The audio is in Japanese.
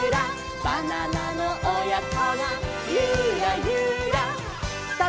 「バナナのおやこがユラユラ」さあ